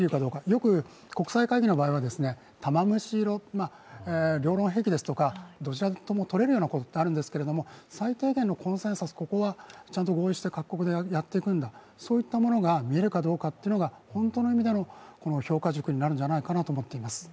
よく国際会議のときには玉虫色、両論ですとかどちらともとれるようなことってあるんですけど、最低限のコンセンサス、各国でやっていくんだ、こういったものが見えるかどうかというのが本当の意味でのこの評価軸になるのではないかと思います。